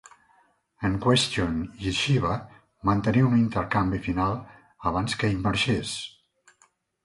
En Question i Shiva van tenir un intercanvi final abans que ell marxés.